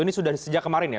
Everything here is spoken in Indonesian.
ini sudah sejak kemarin ya